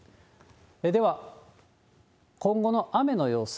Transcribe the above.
では、今後の雨の予想。